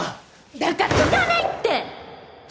だからいらないって！